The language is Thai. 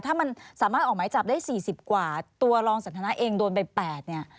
ถ้ามันสามารถออกหมายจับได้๔๐กว่าตัวรองสันทนาเองโดนไป๘เนี่ย